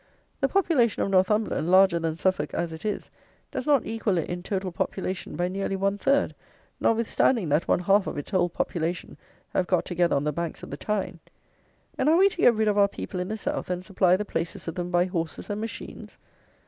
The population of Northumberland, larger than Suffolk as it is, does not equal it in total population by nearly one third, notwithstanding that one half of its whole population have got together on the banks of the Tyne. And are we to get rid of our people in the South, and supply the places of them by horses and machines?